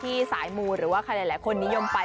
ที่สายมูลหรือว่าใครละละคนนิยมไป